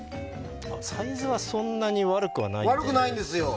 サイズはそんなに悪くないですね。